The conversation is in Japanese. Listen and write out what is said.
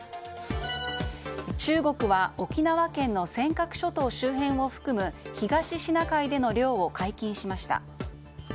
中国は、沖縄県の尖閣諸島周辺を含む東シナ海での漁を解禁しました。